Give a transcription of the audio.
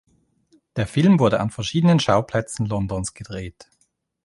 Der Film wurde an verschiedenen Schauplätzen Londons gedreht.